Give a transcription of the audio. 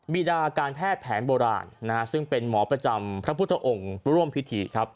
ดาการแพทย์แผนโบราณซึ่งเป็นหมอประจำพระพุทธองค์ร่วมพิธีครับ